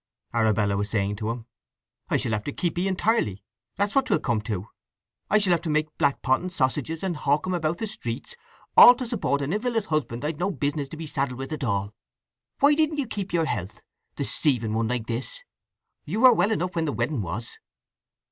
Arabella was saying to him. "I shall have to keep 'ee entirely—that's what 'twill come to! I shall have to make black pot and sausages, and hawk 'em about the street, all to support an invalid husband I'd no business to be saddled with at all. Why didn't you keep your health, deceiving one like this? You were well enough when the wedding was!"